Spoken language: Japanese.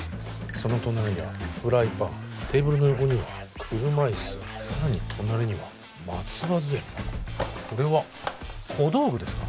その隣にはフライパンテーブルの横には車いすさらに隣には松葉杖もこれは小道具ですか？